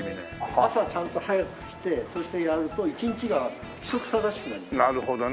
朝ちゃんと早く来てそしてやると一日が規則正しくなりますよね。